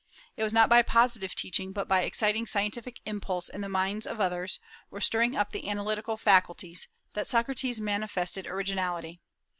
It was not by positive teaching, but by exciting scientific impulse in the minds of others, or stirring up the analytical faculties, that Socrates manifested originality.